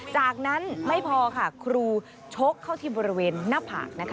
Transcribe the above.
จากนั้นไม่พอค่ะครูชกเข้าที่บริเวณหน้าผากนะคะ